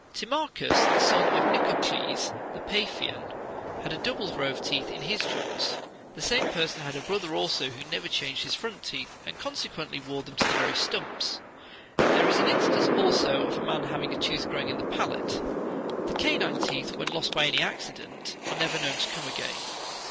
Timarchus, the son of Nicocles the Paphian, had a double 38 row of teeth in his jaws : the same person had a brother also who never changed his front teeth, and, consequently, wore them to the very stumps. There is an instance, also, of a man having a tooth growing in the palate.39 The canine teeth,40 when lost by any accident, are never known to come again.